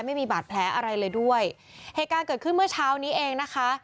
ไม่มีบาดแผลอะไรเลยด้วยเหตุการณ์เกิดขึ้นเมื่อเช้านี้เองนะคะ